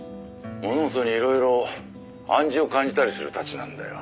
「物事にいろいろ暗示を感じたりする質なんだよ」